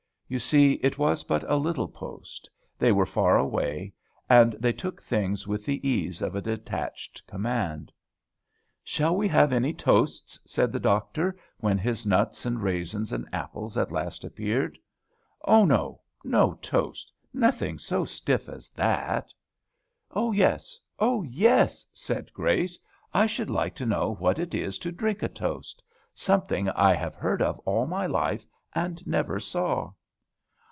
You see it was but a little post. They were far away; and they took things with the ease of a detached command. "Shall we have any toasts?" said the doctor, when his nuts and raisins and apples at last appeared. "Oh, no! no toasts, nothing so stiff as that." "Oh, yes! oh, yes!" said Grace. "I should like to know what it is to drink a toast. Something I have heard of all my life, and never saw."